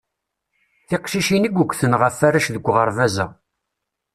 Tiqcicin i iggten ɣef arrac deg uɣerbaz-a.